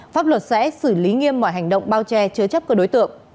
pháp luật sẽ xử lý nghiêm mọi hành động bao che chứa chấp các đối tượng